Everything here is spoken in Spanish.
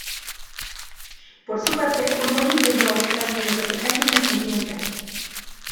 Por su parte Uruguay enfrentó a Australia en el repechaje intercontinental.